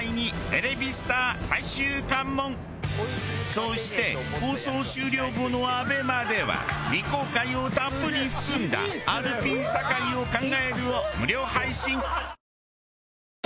そして放送終了後のＡＢＥＭＡでは未公開をたっぷり含んだ「アルピー酒井を考える」を無料配信。